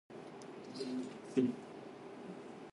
佢同老徐嗰單野全公司都知